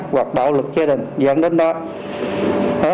hoặc bạo lực gia đình